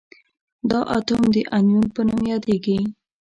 دا اتوم د انیون په نوم یادیږي.